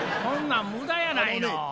こんなん無駄やないの。